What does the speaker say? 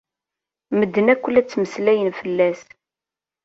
Medden akk la ttmeslayen fell-as.